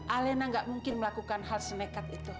alena gak mungkin melakukan hal senekat itu